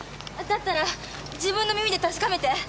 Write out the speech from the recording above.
だったら自分の耳で確かめて。